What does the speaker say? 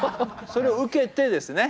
それを受けてですね。